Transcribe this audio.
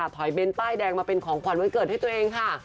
เบ้นป้ายแดงมาเป็นของขวัญวันเกิดให้ตัวเองค่ะ